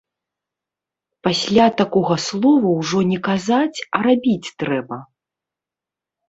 Пасля такога слова ўжо не казаць, а рабіць трэба.